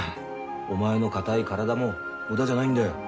お前の硬い体も無駄じゃないんだよ。